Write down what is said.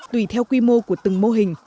tùy theo quy mô của từng mô hình